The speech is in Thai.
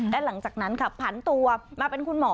และหลังจากนั้นค่ะผันตัวมาเป็นคุณหมอ